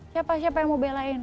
siapa siapa yang mau belain